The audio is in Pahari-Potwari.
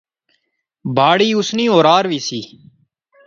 باڑی اس نی اورار وی سی